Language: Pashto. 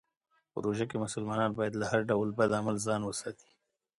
په روژه کې مسلمانان باید له هر ډول بد عمل ځان وساتي.